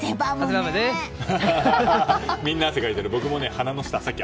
みんな汗かいてる。